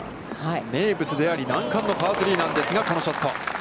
名物であり、難関のパー３なんですが、このショット。